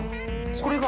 これが。